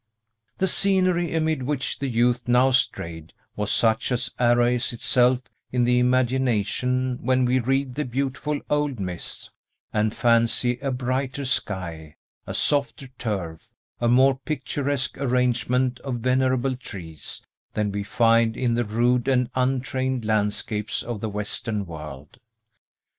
The scenery amid which the youth now strayed was such as arrays itself in the imagination when we read the beautiful old myths, and fancy a brighter sky, a softer turf, a more picturesque arrangement of venerable trees, than we find in the rude and untrained landscapes of the Western world.